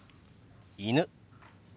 「犬」。